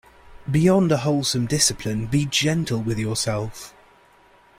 Beyond a wholesome discipline, be gentle with yourself.